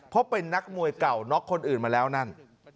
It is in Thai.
เพราะเป็นนักมวยเก่าน็อกคนอื่นมาแล้วนั่น